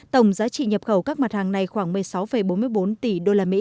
tổng giá trị nhập khẩu các mặt hàng này khoảng một mươi sáu bốn mươi bốn tỷ usd